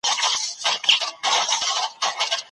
رسول الله هغه ته د باغچې په اړه څه وفرمايل؟